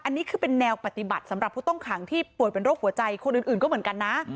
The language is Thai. อันนี้คือเป็นแนวปฏิบัติสำหรับผู้ต้องขังที่ป่วยเป็นโรคหัวใจคนอื่นก็เหมือนกันนะ